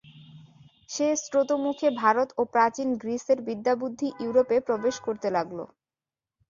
সে স্রোতমুখে ভারত ও প্রাচীন গ্রীসের বিদ্যাবুদ্ধি ইউরোপে প্রবেশ করতে লাগল।